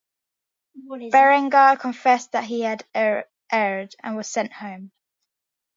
Berengar confessed that he had erred, and was sent home.